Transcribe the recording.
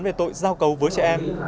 về tội giao cầu với trẻ em